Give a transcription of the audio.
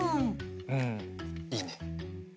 うんいいね。